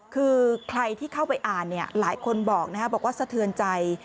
คือใครที่เข้าไปอ่านเนี่ยหลายคนบอกนะครับบอกว่าสะเทือนใจ